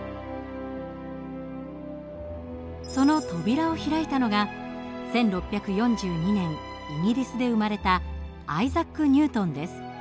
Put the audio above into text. その扉を開いたのが１６４２年イギリスで生まれたアイザック・ニュートンです。